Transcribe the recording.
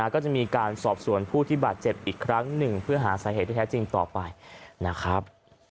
ก็จะมีการสอบสวนผู้ที่บาดเจ็บอีกครั้งหนึ่งเพื่อหาสาเหตุที่แท้จริงต่อไปนะครับ